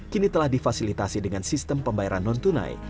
kini telah difasilitasi dengan sistem pembayaran non tunai